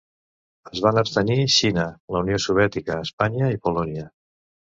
Es van abstenir Xina, la Unió Soviètica, Espanya i Polònia.